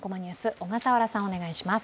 小笠原さん、お願いします。